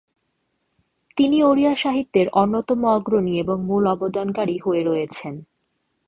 তিনি ওড়িয়া সাহিত্যের অন্যতম অগ্রণী এবং মূল অবদানকারী হয়ে রয়েছেন।